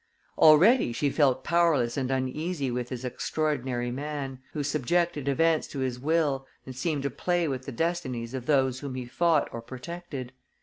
Already she felt powerless and uneasy with this extraordinary man, who subjected events to his will and seemed to play with the destinies of those whom he fought or protected.